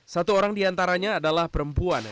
satu orang diantaranya adalah perempuan